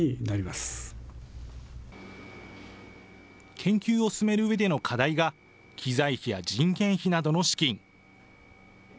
研究を進めるうえでの課題が、機材費や人件費などの資金。